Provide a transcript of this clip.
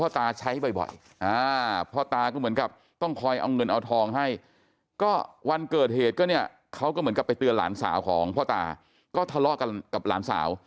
ตาใช้บ่อยพ่อตาก็เหมือนกับต้องคอยเอาเงินเอาทองให้ก็วันเกิดเหตุก็เนี่ยเขาก็เหมือนกับไปเตือนหลานสาวของพ่อตาก็ทะเลาะกันกับหลานสาว